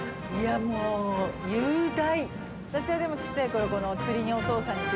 もう雄大！